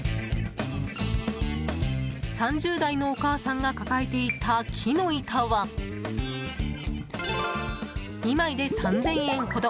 ３０代のお母さんが抱えていた木の板は２枚で３０００円ほど。